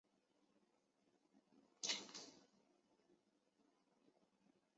埃斯珀泽人口变化图示